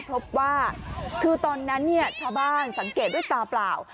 พบว่าคือตอนนั้นชาวบ้านสังเกตด้วยตาเปล่า